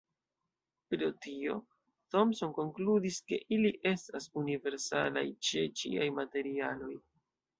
Pro tio, Thomson konkludis, ke ili estas universalaj ĉe ĉiaj materialoj.